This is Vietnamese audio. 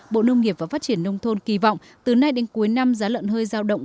bộ nông nghiệp và phát triển nông thôn kỳ vọng từ nay đến cuối năm giá lợn hơi giao động